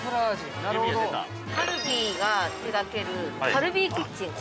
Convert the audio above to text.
カルビーが手がけるカルビーキッチン。